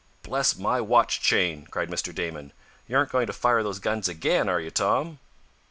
"Bless my watch chain!" cried Mr. Damon. "You aren't going to fire those guns again; are you, Tom?"